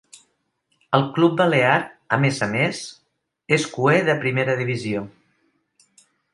El club balear, a més a més, és cuer de primera divisió.